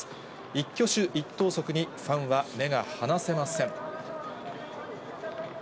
一挙手一投足に、ファンは目が離せません。